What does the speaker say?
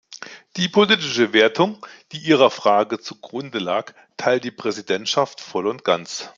Die politische Bewertung, die Ihrer Frage zugrunde lag, teilt die Präsidentschaft voll und ganz.